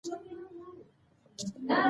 محقق خط؛ د خط یو ډول دﺉ.